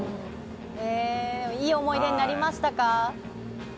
いい思い出になりましたか？